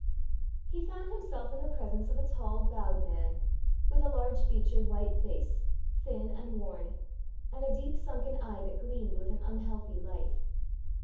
He found himself in the presence of a tall, bowed man, with a large featured white face, thin and worn, and a deep sunken eye that gleamed with an unhealthy life.